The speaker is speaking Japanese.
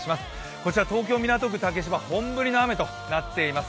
こちら東京・港区竹芝本降りの雨となっています。